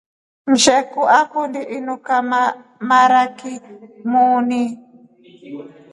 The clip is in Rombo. Msheku akundi anika maraki muuni.